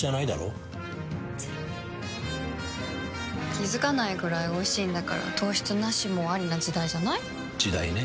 気付かないくらいおいしいんだから糖質ナシもアリな時代じゃない？時代ね。